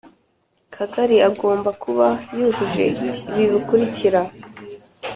Kagari agomba kuba yujuje ibi bikurikira